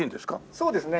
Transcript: そうですね。